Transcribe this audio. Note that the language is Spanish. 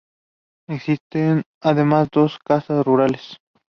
Existen además dos casas rurales.